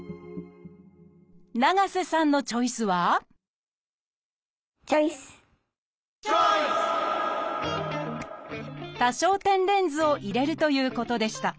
長瀬さんのチョイスはチョイス！を入れるということでした。